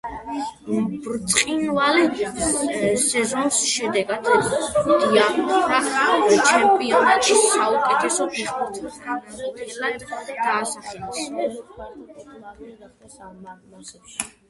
ბრწყინვალე სეზონის შემდეგ დიაფრა ჩემპიონატის საუკეთესო ფეხბურთელადაც დაასახელეს.